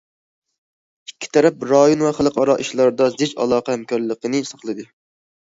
ئىككى تەرەپ رايون ۋە خەلقئارا ئىشلاردا زىچ ئالاقە ھەمكارلىقنى ساقلىدى.